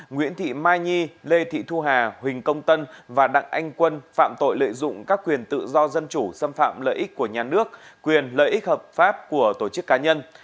nguyễn thị mai nhi lê thị thu hà huỳnh công tân và đặng anh quân phạm tội lợi dụng các quyền tự do dân chủ xâm phạm lợi ích của nhà nước quyền lợi ích hợp pháp của tổ chức cá nhân